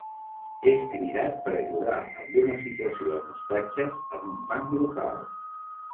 És cridat per ajudar amb una situació amb ostatges en un banc local.